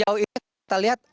jauh ini kita lihat